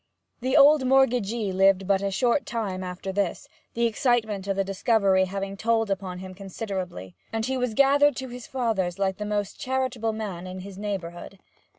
The old mortgagee lived but a short time after this, the excitement of the discovery having told upon him considerably, and he was gathered to his fathers like the most charitable man in his neighbourhood.